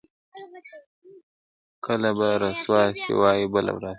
کله به رسوا سي، وايي بله ورځ ..